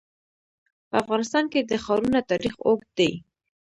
په افغانستان کې د ښارونه تاریخ اوږد دی.